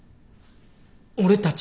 俺たち？